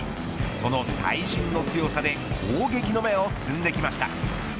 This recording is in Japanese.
その対人の強さで攻撃の芽を摘んできました。